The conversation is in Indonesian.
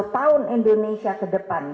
tahun indonesia ke depan